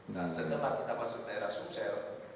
nah setelah kita masuk ke daerah subsel